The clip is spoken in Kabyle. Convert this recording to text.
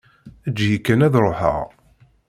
Eǧǧ-iyi kan ad ṛuḥeɣ.